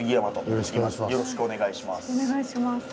よろしくお願いします。